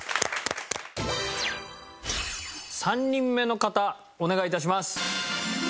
３人目の方お願い致します。